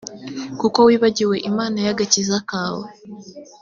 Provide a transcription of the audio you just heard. kuko wibagiwe imana y’agakiza kawe